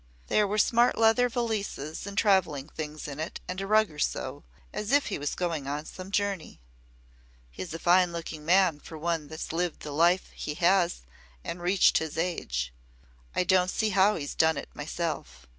There were smart leather valises and travelling things in it and a rug or so, as if he was going on some journey. He is a fine looking man for one that's lived the life he has and reached his age. I don't see how he's done it, myself.